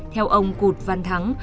theo ông cụt văn thắng